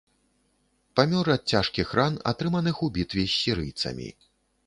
Памёр ад цяжкіх ран атрыманых у бітве з сірыйцамі.